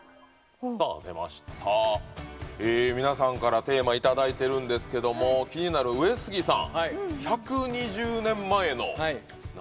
皆さんからテーマをいただいてるんですけど気になる、上杉さん。